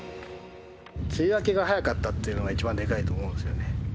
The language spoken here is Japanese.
梅雨明けが早かったというのが一番でかいと思うんですよね。